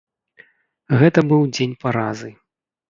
Гэта быў дзень паразы.